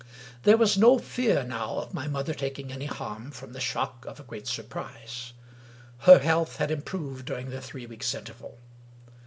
There was no fear now of my mother taking any harm from the shock of a great surprise. Her health had improved dur ing the three weeks' interval.